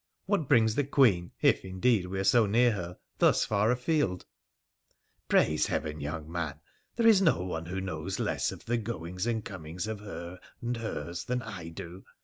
What brings the Queen, if, indeed, we are so near her, thus far afield ?*' Praise Heaven, young man, there is no one who knows less of the goings and comings of her and hers than I do.